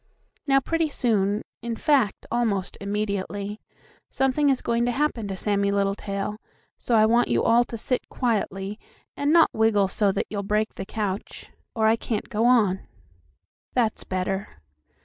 Now pretty soon in fact, almost immediately something is going to happen to Sammie Littletail, so I want you all to sit quietly, and not wiggle so that you'll break the couch, or I can't go on. That's better.